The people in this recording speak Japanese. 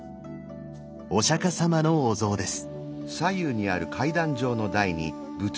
お釈様のお像です。